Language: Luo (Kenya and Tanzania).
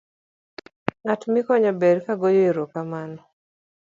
to ng'at mikonyo ber ga goyo erokamano